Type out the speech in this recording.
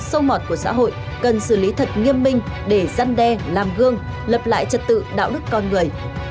sâu mọt của xã hội cần xử lý thật nghiêm minh để gian đe làm gương lập lại trật tự đạo đức con người